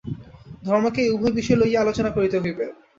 ধর্মকে এই উভয় বিষয় লইয়াই আলোচনা করিতে হইবে।